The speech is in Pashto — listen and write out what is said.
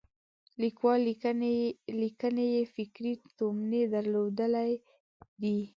لیکوال لیکنې یې فکري تومنې درلودلې دي.